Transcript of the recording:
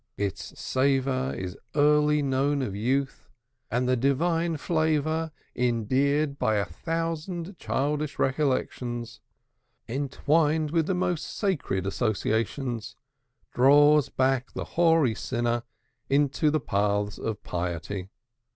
Its savor is early known of youth, and the divine flavor, endeared by a thousand childish recollections, entwined with the most sacred associations, draws back the hoary sinner into the paths of piety.